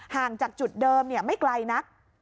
ห่างจากจุดเดิมเนี่ยไม่ไกลนะ